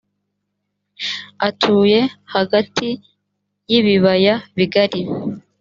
atuye hagati k’ibiyaga bigari